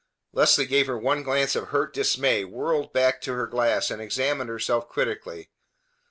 Leslie gave her one glance of hurt dismay, whirled back to her glass, and examined herself critically.